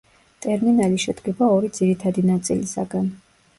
ტერმინალი შედგება ორი ძირითადი ნაწილისაგან.